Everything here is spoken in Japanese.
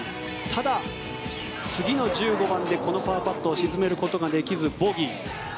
ただ、次の１５番でこのパーパットを沈めることができずボギー。